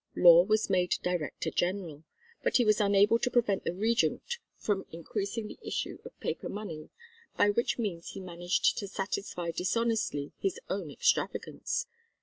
Law was made Director General; but he was unable to prevent the Regent from increasing the issue of paper money, by which means he managed to satisfy dishonestly his own extravagance.